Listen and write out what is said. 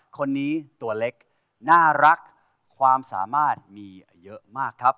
คนนี้ตัวเล็กน่ารักความสามารถมีเยอะมากครับ